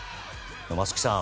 松木さん